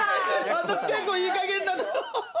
私、結構いいかげんなの。